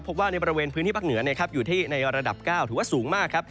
พบว่าในบริเวณพื้นที่ภาคเหนืออยู่ที่ในระดับ๙ถือว่าสูงมากครับ